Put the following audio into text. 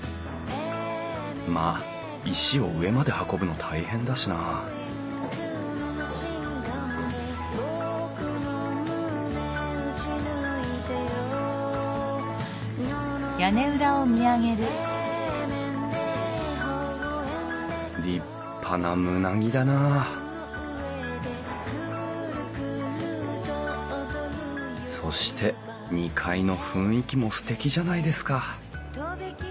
まあ石を上まで運ぶの大変だしな立派な棟木だなそして２階の雰囲気もすてきじゃないですか